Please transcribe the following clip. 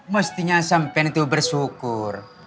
mestinya sampean itu bersyukur